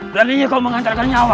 dan ini kau mengantarkan nyawa